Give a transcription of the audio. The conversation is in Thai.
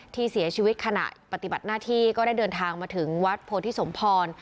ที่เสียชีวิตขณะปฏิบัติหน้าที่ก็ได้เดินทางมาถึงวัดโพธิสมพร